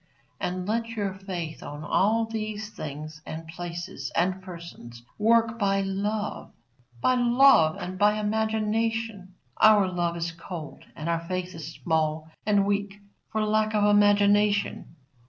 And let your faith on all these things, and places, and persons, work by love, by love and by imagination. Our love is cold and our faith is small and weak for lack of imagination.